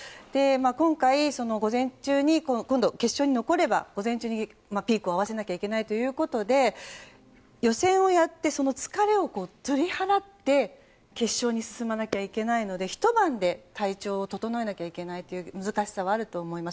今回、午前中に今度、決勝に残れば午前中にピークを合わせないといけないということで予選をやってその疲れを取り払って決勝に進まなきゃいけないのでひと晩で体調を整えなきゃいけない難しさはあると思います。